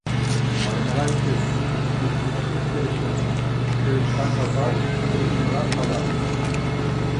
ھارمىغايسىز. ئۈزلۈكسىز تىرىشىڭ. تىرىشقان تاپار، تىرىشمىغان قالار!